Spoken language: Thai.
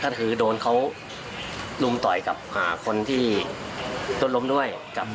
ก็คือโดนเขารุมต่อยกับคนที่โดนล้มด้วยกับ